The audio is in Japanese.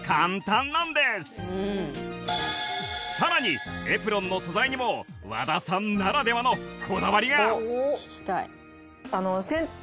さらにエプロンの素材にも和田さんならではのこだわりが！